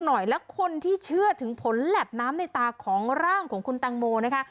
หน่อยแล้วคนที่เชื่อถึงผลแหลบน้ำในตาของร่างของคุณตังโมนะคะ